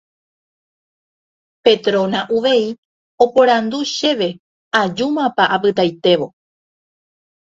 Petrona uvei oporandu chéve ajúmapa apytaitévo